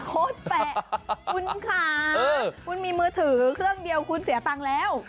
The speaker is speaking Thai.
โค้ดแปะคุณค่ะคุณมีมือถือเครื่องเดียวคุณเสียตังค์แล้ว